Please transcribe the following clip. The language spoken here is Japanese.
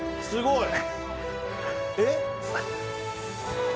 すごい！